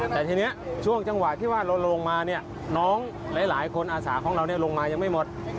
แต่ทีนี้ช่วงจังหวะที่ว่าเราลงมาเนี่ยน้องหลายคนอาสาของเราลงมายังไม่หมด